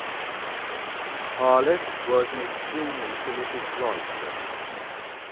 Harless was an extremely prolific writer.